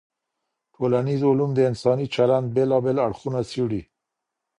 ټولنیز علوم د انساني چلند بېلابېل اړخونه څېړي.